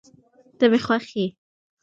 ته مي خوښ یې